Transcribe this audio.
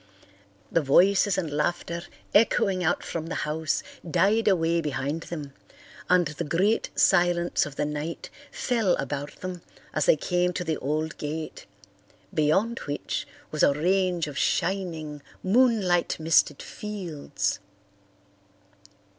The voices and laughter echoing out from the house died away behind them and the great silence of the night fell about them as they came to the old gate, beyond which was a range of shining, moonlight misted fields.